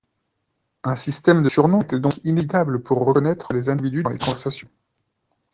Un système de surnoms était donc inévitable pour reconnaître les individus dans les conversations.